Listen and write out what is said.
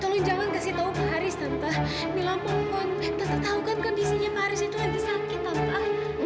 tolong jangan kasih tahu pak haris tante mila mohon tante tahu kan kondisinya pak haris itu lagi sakit tante